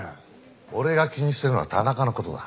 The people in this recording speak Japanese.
俺が気にしてるのは田中の事だ。